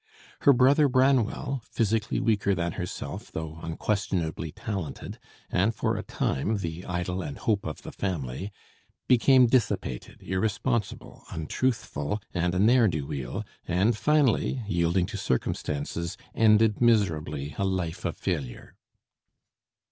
Her brother Branwell (physically weaker than herself, though unquestionably talented, and for a time the idol and hope of the family) became dissipated, irresponsible, untruthful, and a ne'er do weel, and finally yielding to circumstances, ended miserably a life of failure.